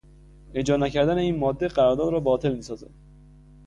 اجرا نکردن این ماده قرارداد را باطل میسازد.